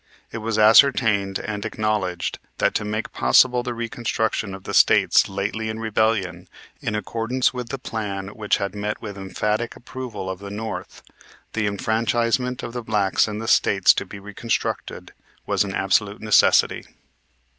It was ascertained and acknowledged that to make possible the reconstruction of the States lately in rebellion, in accordance with the plan which had met with the emphatic approval of the North, the enfranchisement of the blacks in the States to be reconstructed was an absolute necessity.